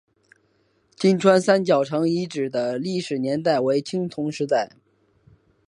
金川三角城遗址的历史年代为青铜时代。